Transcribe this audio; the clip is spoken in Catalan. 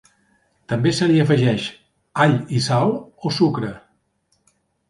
També se li afegeix all i sal o sucre.